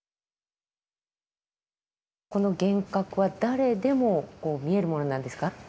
この幻覚は誰でも見えるものなんですか？